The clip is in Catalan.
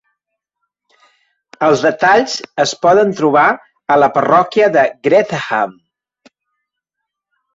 Els detalls es poden trobar a la parròquia de Greatham.